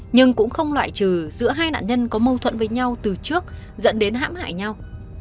nhưng cũng không loại trừ giữa hai nạn nhân có mâu thuẫn với nhau từ trước dẫn đến hãm hại nhau